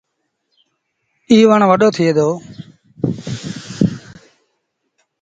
ايٚ وڻ وڏو ٿئي دو۔